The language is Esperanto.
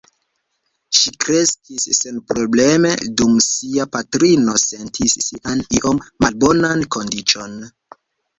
Ŝi kreskis senprobleme dum sia patrino sentis sian iom malbonan kondiĉon.